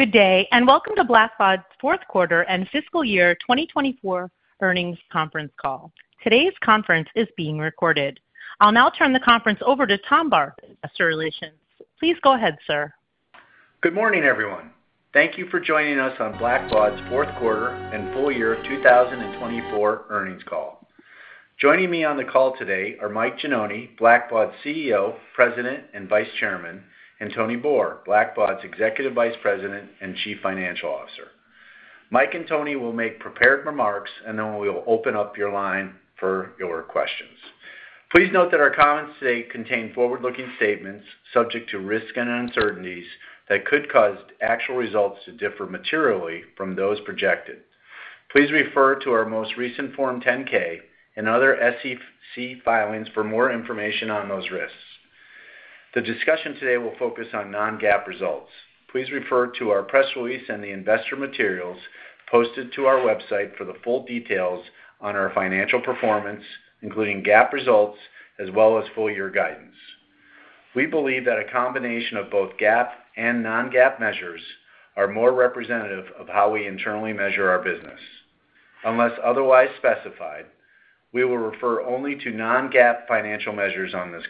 Good day, and welcome to Blackbaud's fourth quarter and fiscal year 2024 earnings conference call. Today's conference is being recorded. I'll now turn the conference over to Tom Barth, Investor Relations. Please go ahead, sir. Good morning, everyone. Thank you for joining us on Blackbaud's fourth quarter and full year 2024 earnings call. Joining me on the call today are Mike Gianoni, Blackbaud's CEO, President, and Vice Chairman, and Tony Boor, Blackbaud's Executive Vice President and Chief Financial Officer. Mike and Tony will make prepared remarks, and then we will open up your line for your questions. Please note that our comments today contain forward-looking statements subject to risks and uncertainties that could cause actual results to differ materially from those projected. Please refer to our most recent Form 10-K and other SEC filings for more information on those risks. The discussion today will focus on non-GAAP results. Please refer to our press release and the investor materials posted to our website for the full details on our financial performance, including GAAP results, as well as full year guidance. We believe that a combination of both GAAP and non-GAAP measures are more representative of how we internally measure our business. Unless otherwise specified, we will refer only to non-GAAP financial measures on this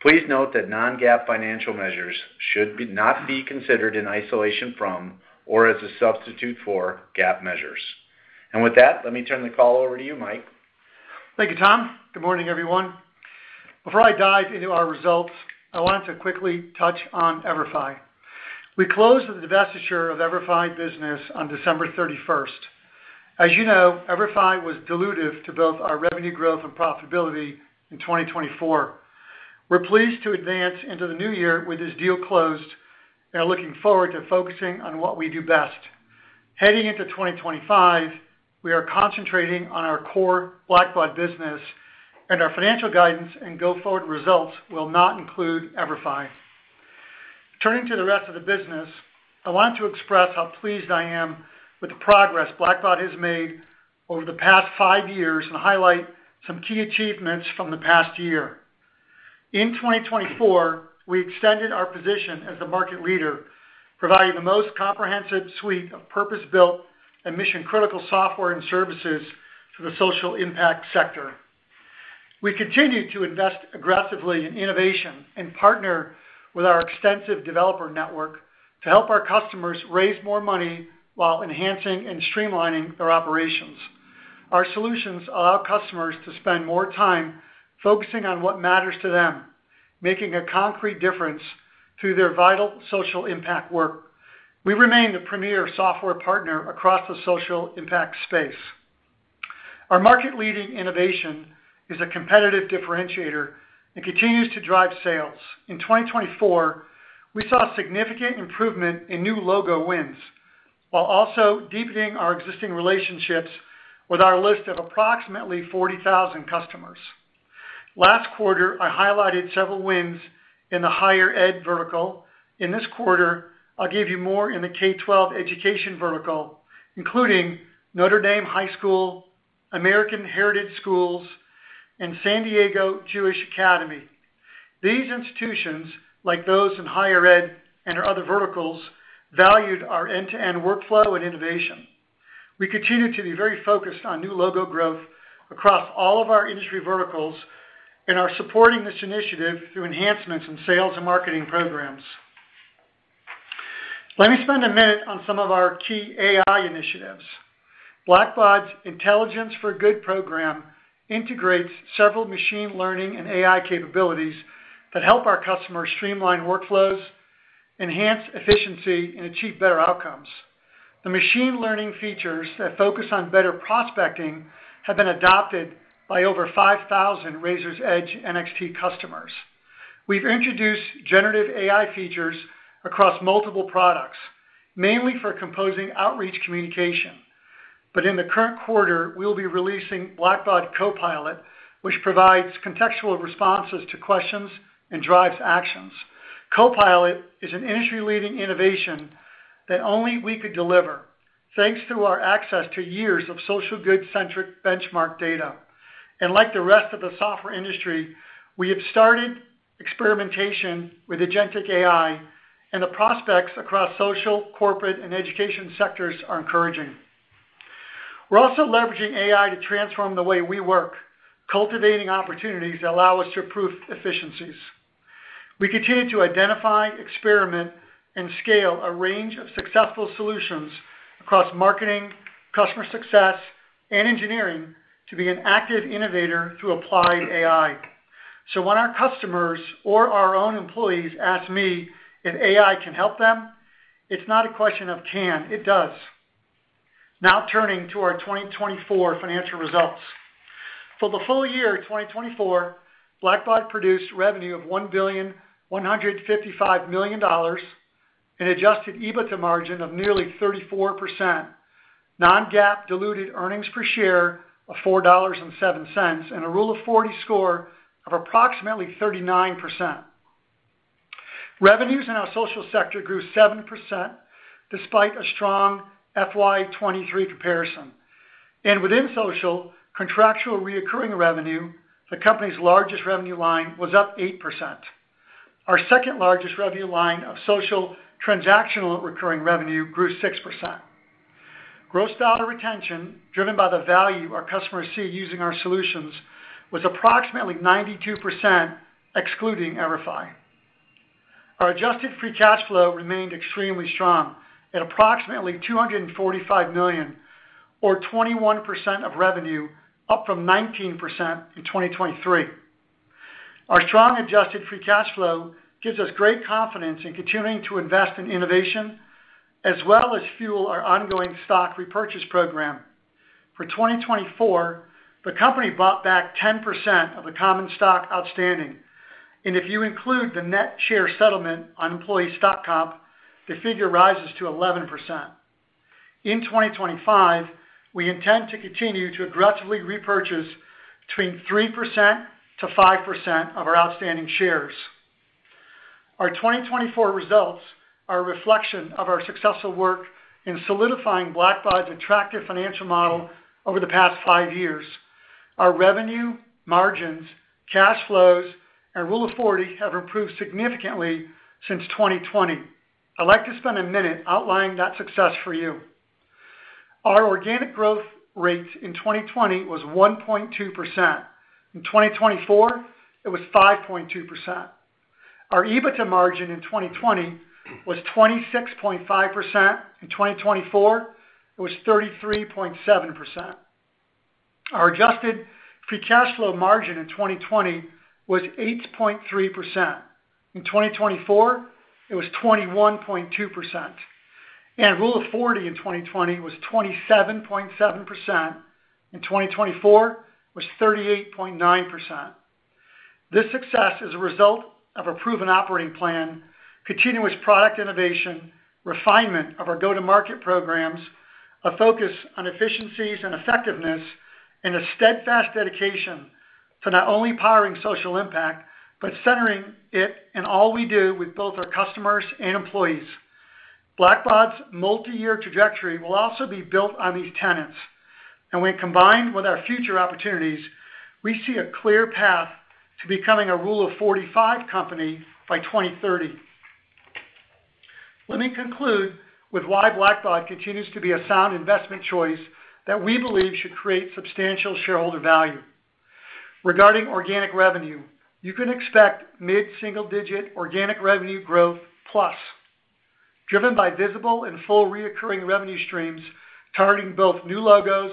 call. Please note that non-GAAP financial measures should not be considered in isolation from or as a substitute for GAAP measures, and with that, let me turn the call over to you, Mike. Thank you, Tom. Good morning, everyone. Before I dive into our results, I wanted to quickly touch on EVERFI. We closed the divestiture of EVERFI business on December 31st. As you know, EVERFI was dilutive to both our revenue growth and profitability in 2024. We're pleased to advance into the new year with this deal closed and are looking forward to focusing on what we do best. Heading into 2025, we are concentrating on our core Blackbaud business, and our financial guidance and go-forward results will not include EVERFI. Turning to the rest of the business, I wanted to express how pleased I am with the progress Blackbaud has made over the past five years and highlight some key achievements from the past year. In 2024, we extended our position as the market leader, providing the most comprehensive suite of purpose-built and mission-critical software and services to the social impact sector. We continue to invest aggressively in innovation and partner with our extensive developer network to help our customers raise more money while enhancing and streamlining their operations. Our solutions allow customers to spend more time focusing on what matters to them, making a concrete difference through their vital social impact work. We remain the premier software partner across the social impact space. Our market-leading innovation is a competitive differentiator and continues to drive sales. In 2024, we saw significant improvement in new logo wins while also deepening our existing relationships with our list of approximately 40,000 customers. Last quarter, I highlighted several wins in the higher ed vertical. In this quarter, I'll give you more in the K-12 education vertical, including Notre Dame High School, American Heritage Schools, and San Diego Jewish Academy. These institutions, like those in higher ed and other verticals, valued our end-to-end workflow and innovation. We continue to be very focused on new logo growth across all of our industry verticals and are supporting this initiative through enhancements in sales and marketing programs. Let me spend a minute on some of our key AI initiatives. Blackbaud's Intelligence for Good program integrates several machine learning and AI capabilities that help our customers streamline workflows, enhance efficiency, and achieve better outcomes. The machine learning features that focus on better prospecting have been adopted by over 5,000 Raiser's Edge NXT customers. We've introduced generative AI features across multiple products, mainly for composing outreach communication. But in the current quarter, we'll be releasing Blackbaud Copilot, which provides contextual responses to questions and drives actions. Copilot is an industry-leading innovation that only we could deliver, thanks to our access to years of social good-centric benchmark data. And like the rest of the software industry, we have started experimentation with agentic AI, and the prospects across social, corporate, and education sectors are encouraging. We're also leveraging AI to transform the way we work, cultivating opportunities that allow us to prove efficiencies. We continue to identify, experiment, and scale a range of successful solutions across marketing, customer success, and engineering to be an active innovator through applied AI. So when our customers or our own employees ask me if AI can help them, it's not a question of can. It does. Now turning to our 2024 financial results. For the full year 2024, Blackbaud produced revenue of $1,155,000,000 and adjusted EBITDA margin of nearly 34%, non-GAAP diluted earnings per share of $4.07, and a Rule of 40 score of approximately 39%. Revenues in our social sector grew 7% despite a strong FY 2023 comparison, and within social, contractual recurring revenue, the company's largest revenue line was up 8%. Our second largest revenue line of social transactional recurring revenue grew 6%. Gross dollar retention, driven by the value our customers see using our solutions, was approximately 92%, excluding EVERFI. Our adjusted free cash flow remained extremely strong at approximately $245 million, or 21% of revenue, up from 19% in 2023. Our strong adjusted free cash flow gives us great confidence in continuing to invest in innovation as well as fuel our ongoing stock repurchase program. For 2024, the company bought back 10% of the common stock outstanding. And if you include the net share settlement on employee stock comp, the figure rises to 11%. In 2025, we intend to continue to aggressively repurchase between 3%-5% of our outstanding shares. Our 2024 results are a reflection of our successful work in solidifying Blackbaud's attractive financial model over the past five years. Our revenue, margins, cash flows, and Rule of 40 have improved significantly since 2020. I'd like to spend a minute outlining that success for you. Our organic growth rate in 2020 was 1.2%. In 2024, it was 5.2%. Our EBITDA margin in 2020 was 26.5%. In 2024, it was 33.7%. Our adjusted free cash flow margin in 2020 was 8.3%. In 2024, it was 21.2%. And Rule of 40 in 2020 was 27.7%. In 2024, it was 38.9%. This success is a result of a proven operating plan, continuous product innovation, refinement of our go-to-market programs, a focus on efficiencies and effectiveness, and a steadfast dedication to not only powering social impact, but centering it in all we do with both our customers and employees. Blackbaud's multi-year trajectory will also be built on these tenets, and when combined with our future opportunities, we see a clear path to becoming a Rule of 45 company by 2030. Let me conclude with why Blackbaud continues to be a sound investment choice that we believe should create substantial shareholder value. Regarding organic revenue, you can expect mid-single-digit organic revenue growth plus, driven by visible and full recurring revenue streams targeting both new logos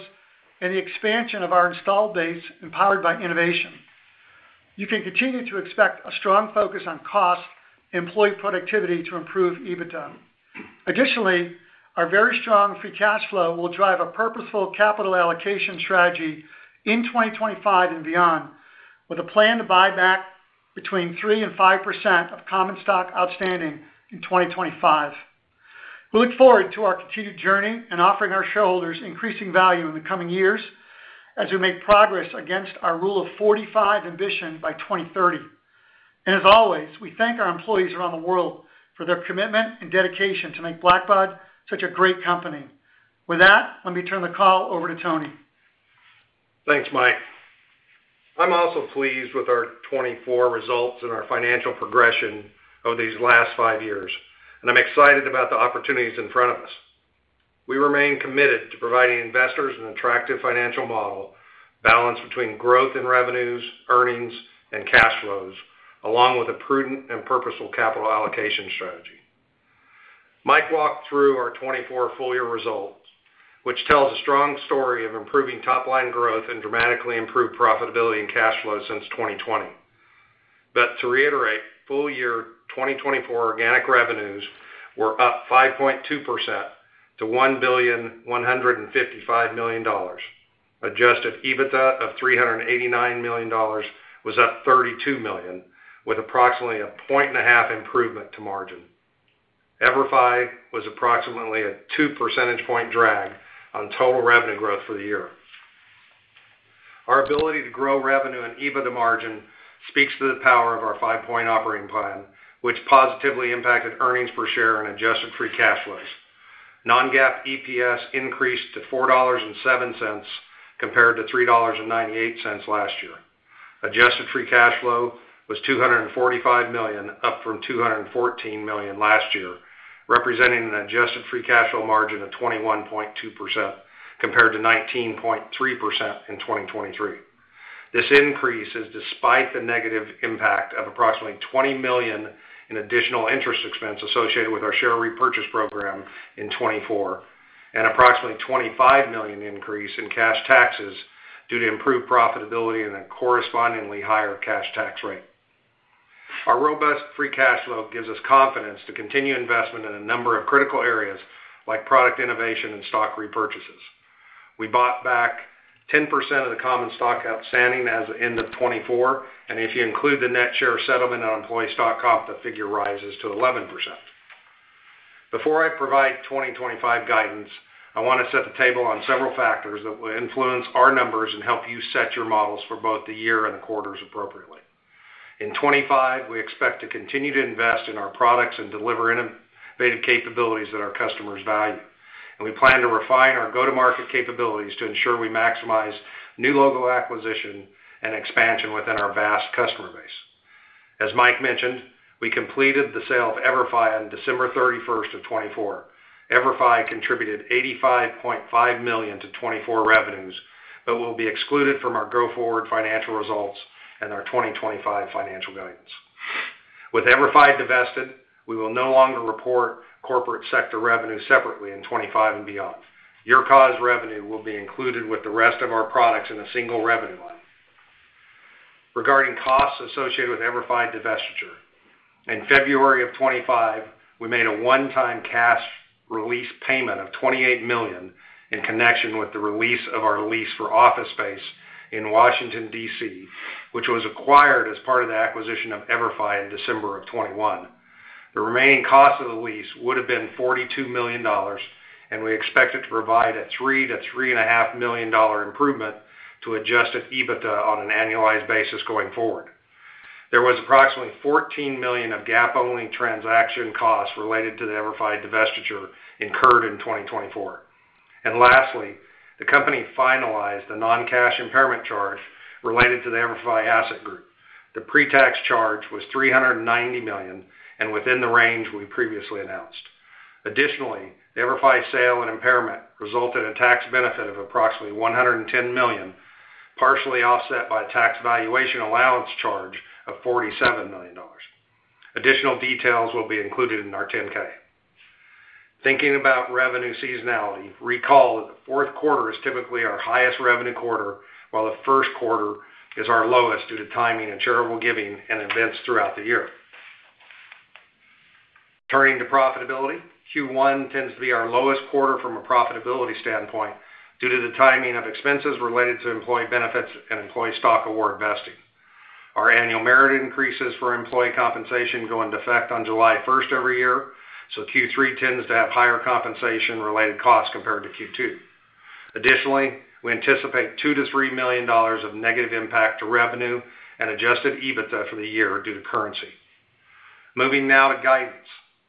and the expansion of our installed base empowered by innovation. You can continue to expect a strong focus on cost and employee productivity to improve EBITDA. Additionally, our very strong free cash flow will drive a purposeful capital allocation strategy in 2025 and beyond, with a plan to buy back between 3% and 5% of common stock outstanding in 2025. We look forward to our continued journey and offering our shareholders increasing value in the coming years as we make progress against our Rule of 45 ambition by 2030. And as always, we thank our employees around the world for their commitment and dedication to make Blackbaud such a great company. With that, let me turn the call over to Tony. Thanks, Mike. I'm also pleased with our 2024 results and our financial progression over these last five years. I'm excited about the opportunities in front of us. We remain committed to providing investors an attractive financial model balanced between growth in revenues, earnings, and cash flows, along with a prudent and purposeful capital allocation strategy. Mike walked through our 2024 full-year results, which tells a strong story of improving top-line growth and dramatically improved profitability and cash flow since 2020. To reiterate, full-year 2024 organic revenues were up 5.2% to $1,155,000,000. Adjusted EBITDA of $389 million was up 32 million, with approximately a point-and-a-half improvement to margin. EVERFI was approximately a 2 percentage point drag on total revenue growth for the year. Our ability to grow revenue and EBITDA margin speaks to the power of our five-point operating plan, which positively impacted earnings per share and adjusted free cash flows. Non-GAAP EPS increased to $4.07 compared to $3.98 last year. Adjusted free cash flow was $245 million, up from $214 million last year, representing an adjusted free cash flow margin of 21.2% compared to 19.3% in 2023. This increase is despite the negative impact of approximately $20 million in additional interest expense associated with our share repurchase program in 2024 and approximately $25 million increase in cash taxes due to improved profitability and a correspondingly higher cash tax rate. Our robust free cash flow gives us confidence to continue investment in a number of critical areas like product innovation and stock repurchases. We bought back 10% of the common stock outstanding as of end of 2024. If you include the net share settlement on employee stock comp, the figure rises to 11%. Before I provide 2025 guidance, I want to set the table on several factors that will influence our numbers and help you set your models for both the year and the quarters appropriately. In 2025, we expect to continue to invest in our products and deliver innovative capabilities that our customers value. And we plan to refine our go-to-market capabilities to ensure we maximize new logo acquisition and expansion within our vast customer base. As Mike mentioned, we completed the sale of EVERFI on December 31st of 2024. EVERFI contributed $85.5 million to 2024 revenues, but will be excluded from our go-forward financial results and our 2025 financial guidance. With EVERFI divested, we will no longer report corporate sector revenue separately in 2025 and beyond. YourCause revenue will be included with the rest of our products in a single revenue line. Regarding costs associated with EVERFI divestiture, in February of 2025, we made a one-time cash release payment of $28 million in connection with the release of our lease for office space in Washington, D.C., which was acquired as part of the acquisition of EVERFI in December of 2021. The remaining cost of the lease would have been $42 million, and we expect it to provide a $3 million-$3.5 million improvement to adjusted EBITDA on an annualized basis going forward. There was approximately $14 million of GAAP-only transaction costs related to the EVERFI divestiture incurred in 2024. And lastly, the company finalized the non-cash impairment charge related to the EVERFI asset group. The pre-tax charge was $390 million, and within the range we previously announced. Additionally, the EVERFI sale and impairment resulted in a tax benefit of approximately $110 million, partially offset by a tax valuation allowance charge of $47 million. Additional details will be included in our 10-K. Thinking about revenue seasonality, recall that the fourth quarter is typically our highest revenue quarter, while the first quarter is our lowest due to timing and charitable giving and events throughout the year. Turning to profitability, Q1 tends to be our lowest quarter from a profitability standpoint due to the timing of expenses related to employee benefits and employee stock award vesting. Our annual merit increases for employee compensation go in effect on July 1st every year, so Q3 tends to have higher compensation-related costs compared to Q2. Additionally, we anticipate $2 million-$3 million of negative impact to revenue and adjusted EBITDA for the year due to currency. Moving now to guidance.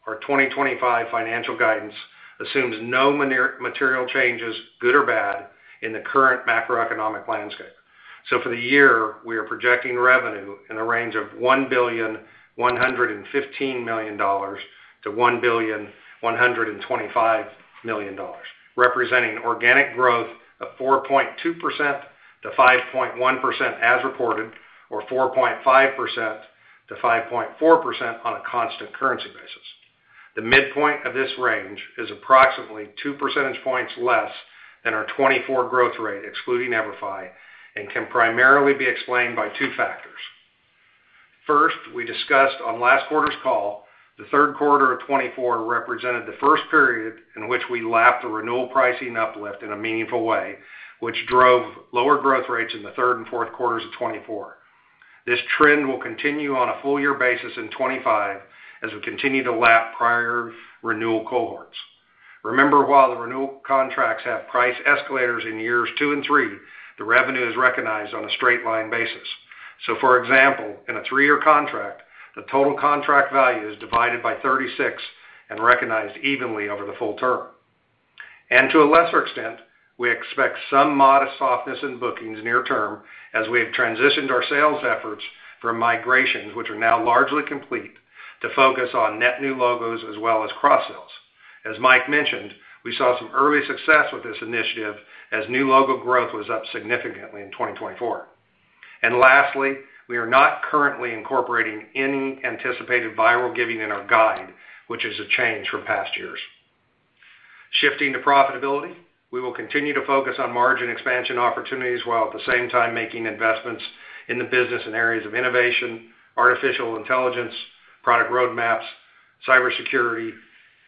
Our 2025 financial guidance assumes no material changes, good or bad, in the current macroeconomic landscape. So for the year, we are projecting revenue in the range of $1,115,000,000-$1,125,000,000 representing organic growth of 4.2%-5.1% as reported, or 4.5%-5.4% on a constant currency basis. The midpoint of this range is approximately 2 percentage points less than our 2024 growth rate, excluding EVERFI, and can primarily be explained by two factors. First, we discussed on last quarter's call, the third quarter of 2024 represented the first period in which we lapped the renewal pricing uplift in a meaningful way, which drove lower growth rates in the third and fourth quarters of 2024. This trend will continue on a full-year basis in 2025 as we continue to lap prior renewal cohorts. Remember, while the renewal contracts have price escalators in years two and three, the revenue is recognized on a straight-line basis. So, for example, in a three-year contract, the total contract value is divided by 36 and recognized evenly over the full term. And to a lesser extent, we expect some modest softness in bookings near term as we have transitioned our sales efforts from migrations, which are now largely complete, to focus on net new logos as well as cross-sales. As Mike mentioned, we saw some early success with this initiative as new logo growth was up significantly in 2024. And lastly, we are not currently incorporating any anticipated viral giving in our guide, which is a change from past years. Shifting to profitability, we will continue to focus on margin expansion opportunities while at the same time making investments in the business and areas of innovation, artificial intelligence, product roadmaps, cybersecurity,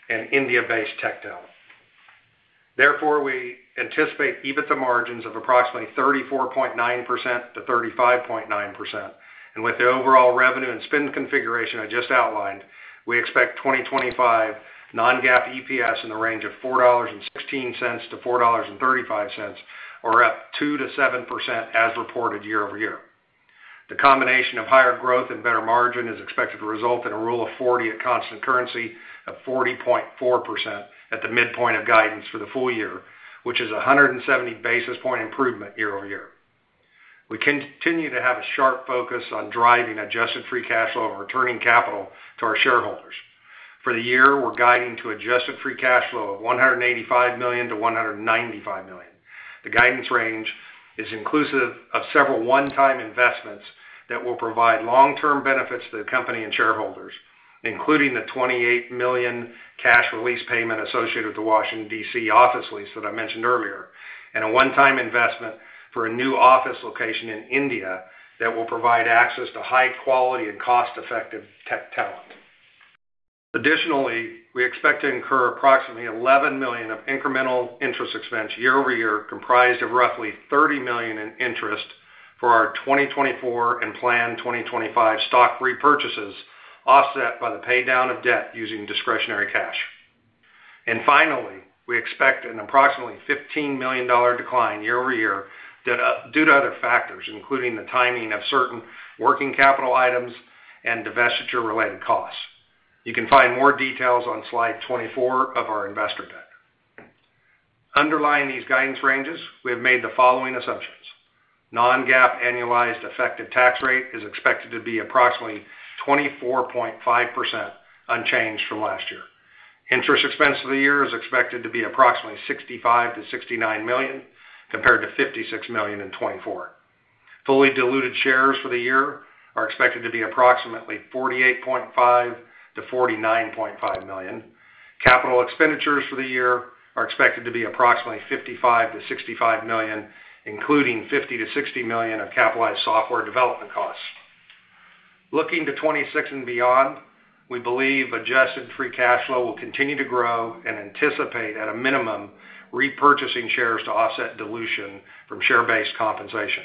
and India-based tech talent. Therefore, we anticipate EBITDA margins of approximately 34.9%-35.9%. And with the overall revenue and spend configuration I just outlined, we expect 2025 non-GAAP EPS in the range of $4.16-$4.35, or up 2%-7% as reported year-over-year. The combination of higher growth and better margin is expected to result in a Rule of 40 at constant currency of 40.4% at the midpoint of guidance for the full year, which is a 170 basis point improvement year-over-year. We continue to have a sharp focus on driving adjusted free cash flow and returning capital to our shareholders. For the year, we're guiding to adjusted free cash flow of $185 million-$195 million. The guidance range is inclusive of several one-time investments that will provide long-term benefits to the company and shareholders, including the $28 million cash release payment associated with the Washington, D.C. office lease that I mentioned earlier, and a one-time investment for a new office location in India that will provide access to high-quality and cost-effective tech talent. Additionally, we expect to incur approximately $11 million of incremental interest expense year-over-year, comprised of roughly $30 million in interest for our 2024 and planned 2025 stock repurchases offset by the paydown of debt using discretionary cash. Finally, we expect an approximately $15 million decline year-over-year due to other factors, including the timing of certain working capital items and divestiture-related costs. You can find more details on slide 24 of our investor deck. Underlying these guidance ranges, we have made the following assumptions. Non-GAAP annualized effective tax rate is expected to be approximately 24.5% unchanged from last year. Interest expense for the year is expected to be approximately $65 million-$69 million compared to $56 million in 2024. Fully diluted shares for the year are expected to be approximately $48.5 million-$49.5 million. Capital expenditures for the year are expected to be approximately $55 million-$65 million, including $50 million-$60 million of capitalized software development costs. Looking to 2026 and beyond, we believe adjusted free cash flow will continue to grow and anticipate, at a minimum, repurchasing shares to offset dilution from share-based compensation.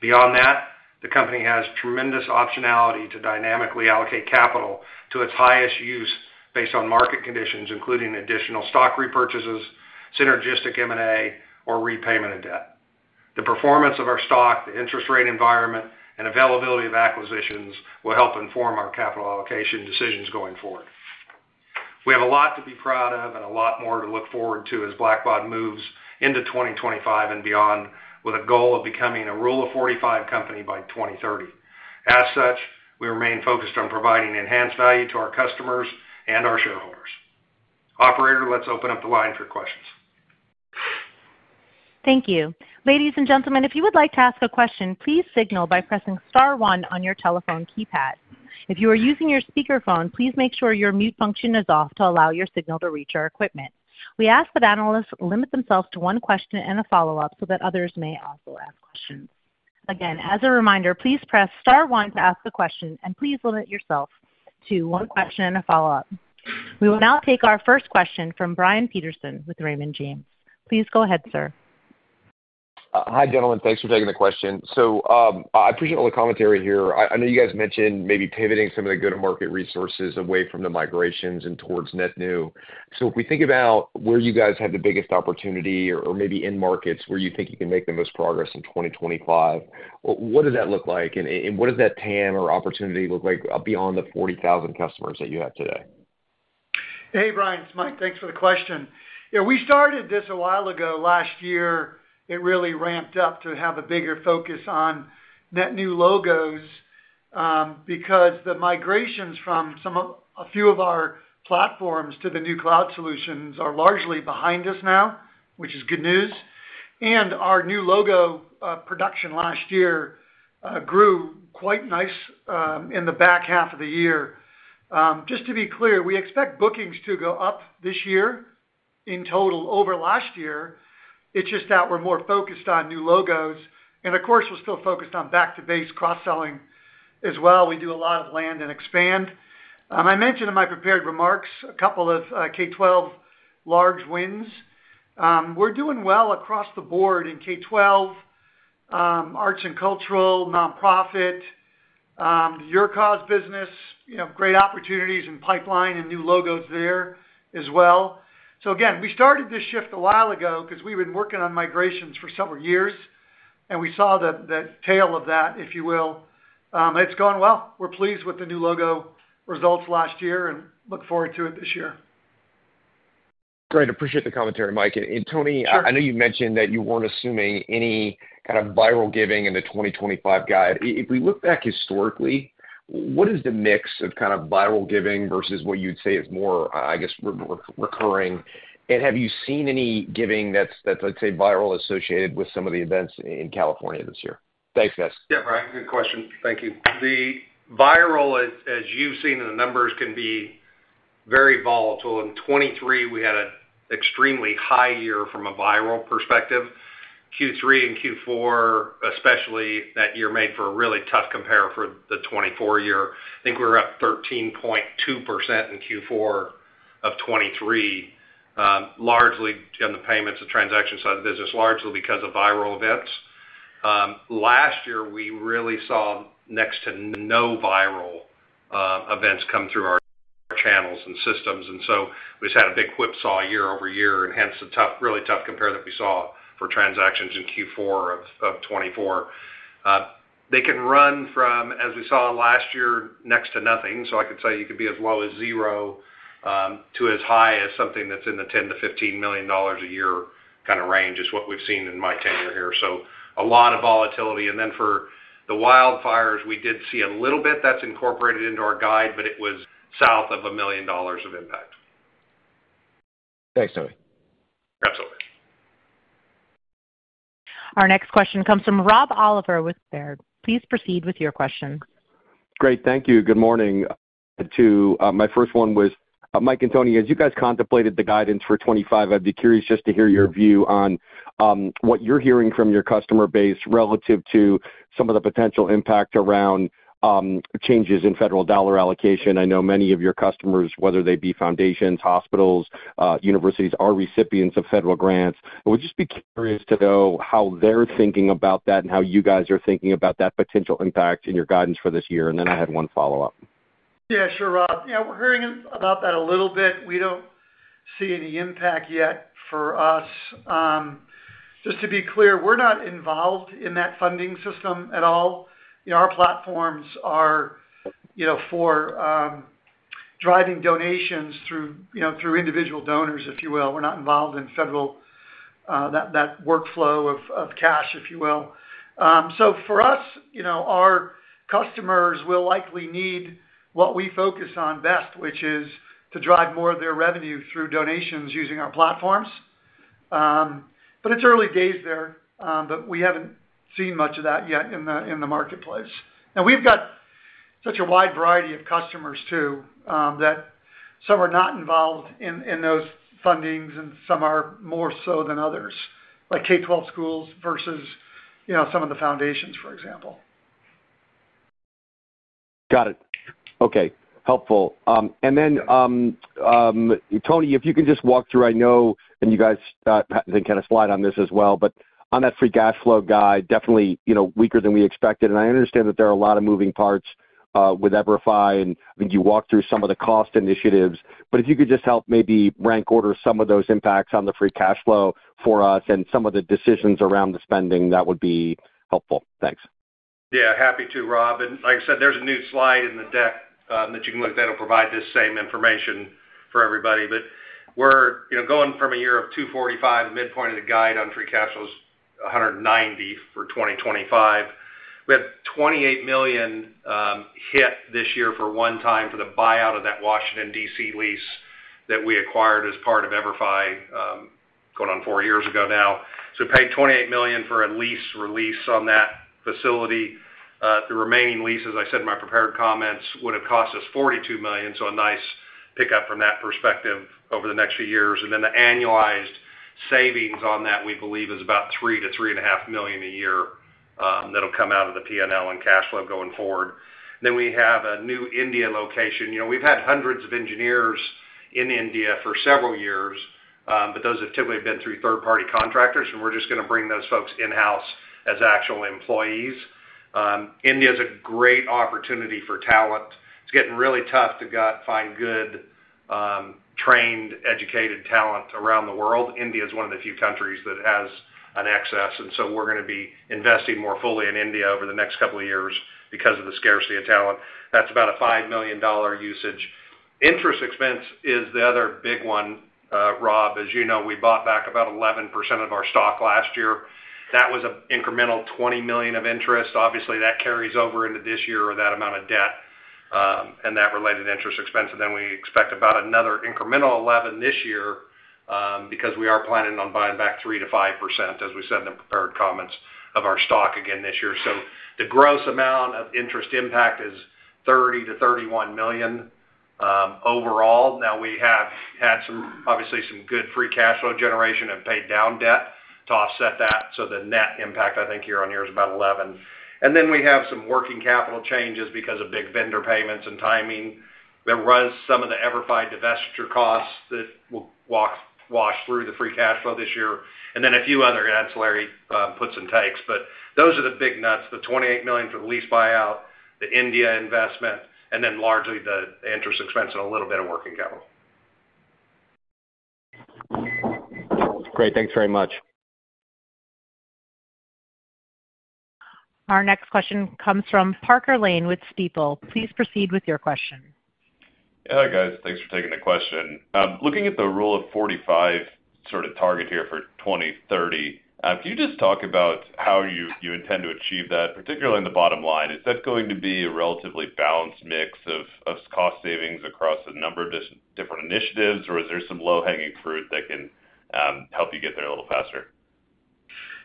Beyond that, the company has tremendous optionality to dynamically allocate capital to its highest use based on market conditions, including additional stock repurchases, synergistic M&A, or repayment of debt. The performance of our stock, the interest rate environment, and availability of acquisitions will help inform our capital allocation decisions going forward. We have a lot to be proud of and a lot more to look forward to as Blackbaud moves into 2025 and beyond with a goal of becoming a Rule of 45 company by 2030. As such, we remain focused on providing enhanced value to our customers and our shareholders. Operator, let's open up the line for questions. Thank you. Ladies and gentlemen, if you would like to ask a question, please signal by pressing Star 1 on your telephone keypad. If you are using your speakerphone, please make sure your mute function is off to allow your signal to reach our equipment. We ask that analysts limit themselves to one question and a follow-up so that others may also ask questions. Again, as a reminder, please press Star 1 to ask a question, and please limit yourself to one question and a follow-up. We will now take our first question from Brian Peterson with Raymond James. Please go ahead, sir. Hi, gentlemen. Thanks for taking the question. So I appreciate all the commentary here. I know you guys mentioned maybe pivoting some of the go-to-market resources away from the migrations and towards net new. So if we think about where you guys have the biggest opportunity, or maybe in markets where you think you can make the most progress in 2025, what does that look like, and what does that TAM or opportunity look like beyond the 40,000 customers that you have today? Hey, Brian. It's Mike. Thanks for the question. Yeah, we started this a while ago last year. It really ramped up to have a bigger focus on net new logos because the migrations from a few of our platforms to the new cloud solutions are largely behind us now, which is good news. And our new logo production last year grew quite nice in the back half of the year. Just to be clear, we expect bookings to go up this year in total over last year. It's just that we're more focused on new logos. And of course, we're still focused on back-to-base cross-selling as well. We do a lot of land and expand. I mentioned in my prepared remarks a couple of K-12 large wins. We're doing well across the board in K-12, arts and cultural, nonprofit, YourCause business. Great opportunities in pipeline and new logos there as well. So again, we started this shift a while ago because we've been working on migrations for several years, and we saw the tail of that, if you will. It's gone well. We're pleased with the new logo results last year and look forward to it this year. Great. Appreciate the commentary, Mike. And Tony, I know you mentioned that you weren't assuming any kind of viral giving in the 2025 guide. If we look back historically, what is the mix of kind of viral giving versus what you'd say is more, I guess, recurring? And have you seen any giving that's, I'd say, viral associated with some of the events in California this year? Thanks, guys. Yeah, Brian, good question. Thank you. The viral, as you've seen in the numbers, can be very volatile. In 2023, we had an extremely high year from a viral perspective. Q3 and Q4, especially that year, made for a really tough compare for the 2024 year. I think we were up 13.2% in Q4 of 2023, largely on the payments and transaction side of the business, largely because of viral events. Last year, we really saw next to no viral events come through our channels and systems. And so we just had a big whipsaw year-over-year, and hence the really tough compare that we saw for transactions in Q4 of 2024. They can run from, as we saw last year, next to nothing. I could say you could be as low as zero to as high as something that's in the $10 million-$15 million a year kind of range is what we've seen in my tenure here. A lot of volatility. Then for the wildfires, we did see a little bit that's incorporated into our guide, but it was south of $1 million of impact. Thanks, Tony. Absolutely. Our next question comes from Rob Oliver with Baird. Please proceed with your question. Great. Thank you. Good morning to my first one was Mike and Tony. As you guys contemplated the guidance for 2025, I'd be curious just to hear your view on what you're hearing from your customer base relative to some of the potential impact around changes in federal dollar allocation. I know many of your customers, whether they be foundations, hospitals, universities, are recipients of federal grants. I would just be curious to know how they're thinking about that and how you guys are thinking about that potential impact in your guidance for this year. And then I had one follow-up. Yeah, sure, Rob. Yeah, we're hearing about that a little bit. We don't see any impact yet for us. Just to be clear, we're not involved in that funding system at all. Our platforms are for driving donations through individual donors, if you will. We're not involved in federal funding workflow of cash, if you will. So for us, our customers will likely need what we focus on best, which is to drive more of their revenue through donations using our platforms. But it's early days there, but we haven't seen much of that yet in the marketplace. Now, we've got such a wide variety of customers too that some are not involved in those fundings and some are more so than others, like K-12 schools versus some of the foundations, for example. Got it. Okay. Helpful. And then, Tony, if you can just walk through, I know, and you guys then kind of slide on this as well, but on that free cash flow guide, definitely weaker than we expected. And I understand that there are a lot of moving parts with EVERFI. And I think you walked through some of the cost initiatives. But if you could just help maybe rank order some of those impacts on the free cash flow for us and some of the decisions around the spending, that would be helpful. Thanks. Yeah, happy to, Rob. Like I said, there's a new slide in the deck that you can look at that'll provide this same information for everybody. We're going from a year of 245 at midpoint of the guide on free cash flows, $190 million for 2025. We had $28 million hit this year for one time for the buyout of that Washington, D.C. lease that we acquired as part of EVERFI going on four years ago now. So we paid $28 million for a lease release on that facility. The remaining lease, as I said in my prepared comments, would have cost us $42 million. So a nice pickup from that perspective over the next few years. The annualized savings on that, we believe, is about $3 million-$3.5 million a year that'll come out of the P&L and cash flow going forward. Then we have a new India location. We've had hundreds of engineers in India for several years, but those have typically been through third-party contractors. And we're just going to bring those folks in-house as actual employees. India is a great opportunity for talent. It's getting really tough to find good, trained, educated talent around the world. India is one of the few countries that has an excess. And so we're going to be investing more fully in India over the next couple of years because of the scarcity of talent. That's about a $5 million usage. Interest expense is the other big one, Rob. As you know, we bought back about 11% of our stock last year. That was an incremental $20 million of interest. Obviously, that carries over into this year or that amount of debt and that related interest expense. And then we expect about another incremental $11 million this year because we are planning on buying back 3%-5%, as we said in the prepared comments, of our stock again this year. So the gross amount of interest impact is $30 million-$31 million overall. Now, we have had some, obviously, some good free cash flow generation and paid down debt to offset that. So the net impact, I think, year on year is about $11 million. And then we have some working capital changes because of big vendor payments and timing. There was some of the EVERFI divestiture costs that will wash through the free cash flow this year. And then a few other ancillary puts and takes. But those are the big nuts: the $28 million for the lease buyout, the India investment, and then largely the interest expense and a little bit of working capital. Great. Thanks very much. Our next question comes from Parker Lane with Stifel. Please proceed with your question. Hey, guys. Thanks for taking the question. Looking at the Rule of 45 sort of target here for 2030, can you just talk about how you intend to achieve that, particularly on the bottom line? Is that going to be a relatively balanced mix of cost savings across a number of different initiatives, or is there some low-hanging fruit that can help you get there a little faster?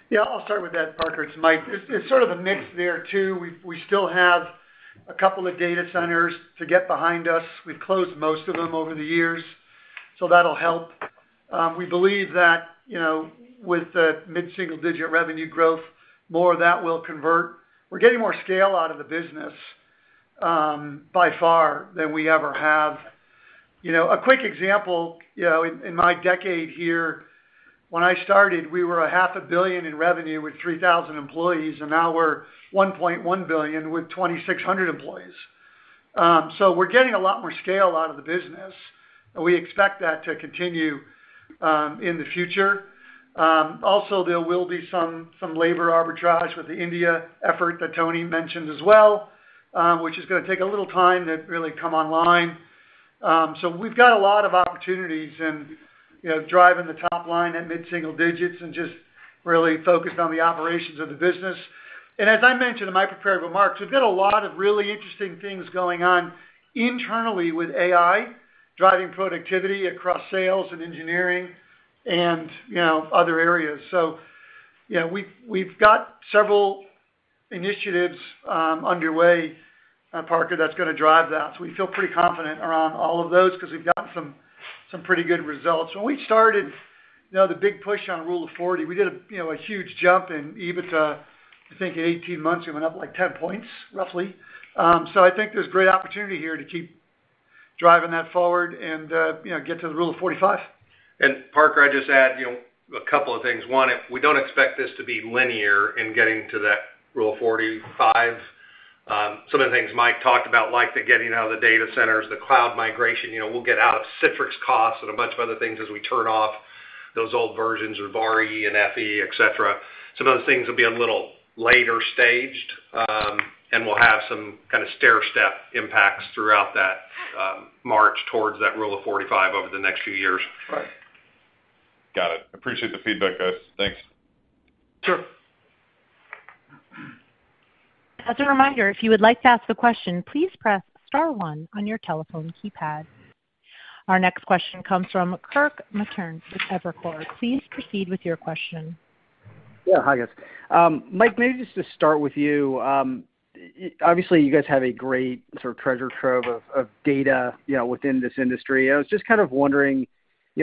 Yeah, I'll start with that, Parker. It's Mike. It's sort of a mix there too. We still have a couple of data centers to get behind us. We've closed most of them over the years, so that'll help. We believe that with the mid-single-digit revenue growth, more of that will convert. We're getting more scale out of the business by far than we ever have. A quick example, in my decade here, when I started, we were $500 million in revenue with 3,000 employees, and now we're $1.1 billion with 2,600 employees. So we're getting a lot more scale out of the business, and we expect that to continue in the future. Also, there will be some labor arbitrage with the India effort that Tony mentioned as well, which is going to take a little time to really come online. So we've got a lot of opportunities in driving the top line at mid-single digits and just really focused on the operations of the business. And as I mentioned in my prepared remarks, we've got a lot of really interesting things going on internally with AI, driving productivity across sales and engineering and other areas. So we've got several initiatives underway, Parker, that's going to drive that. So we feel pretty confident around all of those because we've gotten some pretty good results. When we started the big push on Rule of 40, we did a huge jump in EBITDA, I think, in 18 months. We went up like 10 points, roughly. So I think there's great opportunity here to keep driving that forward and get to the Rule of 45. And Parker, I'd just add a couple of things. One, we don't expect this to be linear in getting to that Rule of 45. Some of the things Mike talked about, like the getting out of the data centers, the cloud migration, we'll get out of Citrix costs and a bunch of other things as we turn off those old versions of RE and FE, etc. Some of those things will be a little later staged, and we'll have some kind of stair-step impacts throughout that march towards that Rule of 45 over the next few years. Got it. Appreciate the feedback, guys. Thanks. Sure. As a reminder, if you would like to ask a question, please press star 1 on your telephone keypad. Our next question comes from Kirk Materne with Evercore. Please proceed with your question. Yeah, hi, guys. Mike, maybe just to start with you, obviously, you guys have a great sort of treasure trove of data within this industry. I was just kind of wondering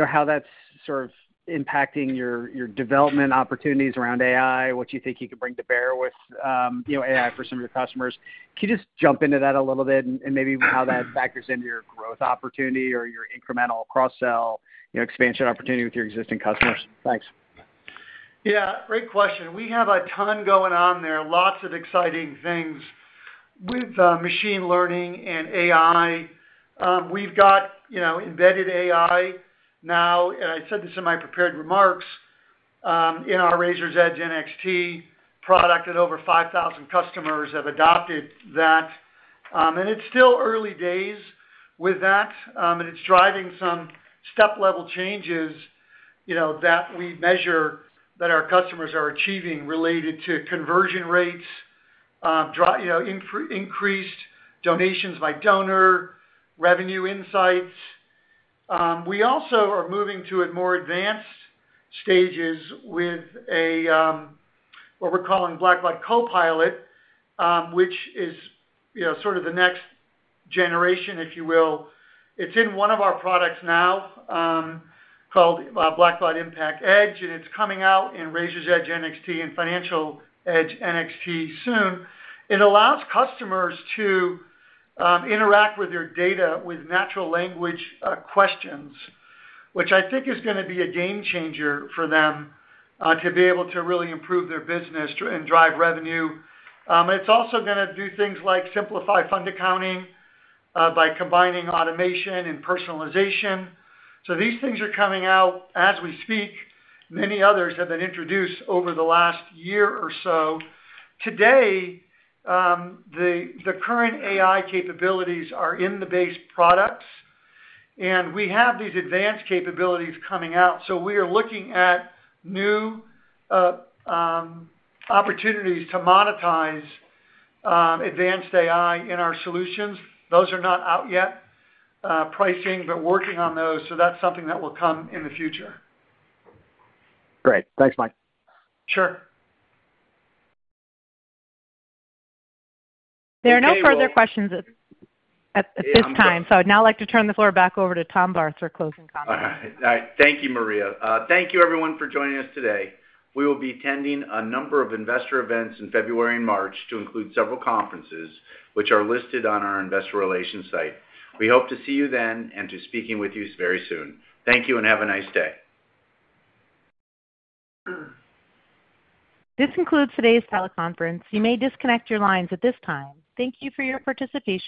how that's sort of impacting your development opportunities around AI, what you think you could bring to bear with AI for some of your customers. Can you just jump into that a little bit and maybe how that factors into your growth opportunity or your incremental cross-sell expansion opportunity with your existing customers? Thanks. Yeah, great question. We have a ton going on there, lots of exciting things with machine learning and AI. We've got embedded AI now, and I said this in my prepared remarks, in our Raiser's Edge NXT product, and over 5,000 customers have adopted that. And it's still early days with that, and it's driving some step-level changes that we measure that our customers are achieving related to conversion rates, increased donations by donor, revenue insights. We also are moving to more advanced stages with what we're calling Blackbaud Copilot, which is sort of the next generation, if you will. It's in one of our products now called Blackbaud Impact Edge, and it's coming out in Raiser's Edge NXT and Financial Edge NXT soon. It allows customers to interact with their data with natural language questions, which I think is going to be a game changer for them to be able to really improve their business and drive revenue. And it's also going to do things like simplify fund accounting by combining automation and personalization. So these things are coming out as we speak. Many others have been introduced over the last year or so. Today, the current AI capabilities are in the base products, and we have these advanced capabilities coming out. So we are looking at new opportunities to monetize advanced AI in our solutions. Those are not out yet, pricing, but working on those. So that's something that will come in the future. Great. Thanks, Mike. Sure. There are no further questions at this time. So I'd now like to turn the floor back over to Tom Barth for closing comments. All right. Thank you, Maria. Thank you, everyone, for joining us today. We will be attending a number of investor events in February and March to include several conferences, which are listed on our investor relations site. We hope to see you then and to speaking with you very soon. Thank you, and have a nice day. This concludes today's teleconference. You may disconnect your lines at this time. Thank you for your participation.